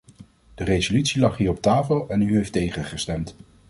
De resolutie lag hier op tafel en u heeft tegen gestemd.